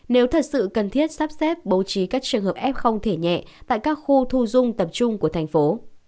nếu thật sự cần thiết sắp xếp bầu trí các trường hợp f thể nhẹ tại các khu thu dung tầm trung của thành phố